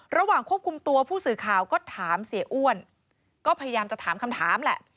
ระหว่างควบคุมตัวผู้สื่อข่าวก็ถามเสียอ้วนก็พยายามจะถามคำถามแหละ